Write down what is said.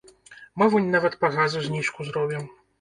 Мы вунь нават па газу зніжку зробім.